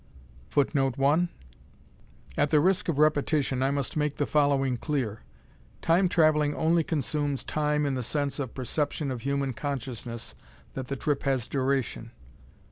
[Footnote 1: At the risk of repetition I must make the following clear: Time traveling only consumes Time in the sense of the perception of human consciousness that the trip has duration.